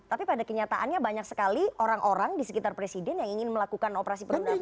tapi pada kenyataannya banyak sekali orang orang di sekitar presiden yang ingin melakukan operasi penundaan